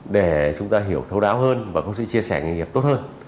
để chúng ta hiểu thấu đáo hơn và có sự chia sẻ nghề nghiệp tốt hơn